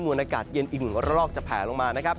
มูลอากาศเย็นอิ่มรอกจะแผลลงมานะครับ